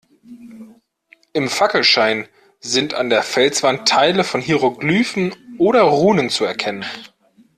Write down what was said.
Im Fackelschein sind an der Felswand Teile von Hieroglyphen oder Runen zu erkennen.